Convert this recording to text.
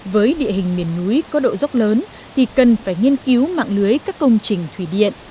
với địa hình miền núi có độ dốc lớn thì cần phải nghiên cứu mạng lưới các công trình thủy điện